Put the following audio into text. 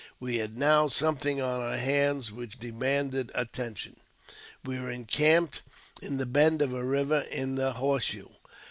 We had now something on our hands which demanded attention. We were encamped in the bend of a river — in the "horse shoe."